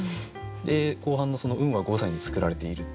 で後半の「運は五歳に作られている」。